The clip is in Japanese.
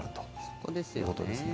そこですよね。